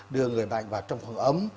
đưa người bệnh vào trong phòng ấm